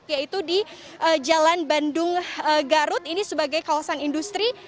yaitu di jalan bandung garut ini sebagai kawasan industri